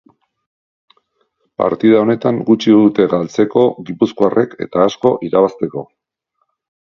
Partida honetan gutxi dute galzteko gipuzkoarrek eta asko irabazteko.